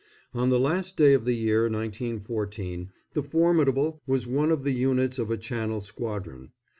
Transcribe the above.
On the last day of the year 1914 the Formidable was one of the units of a Channel squadron.